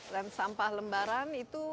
dan sampah lembaran itu